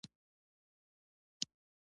د علم په زیور خپل ځان ښکلی کړئ.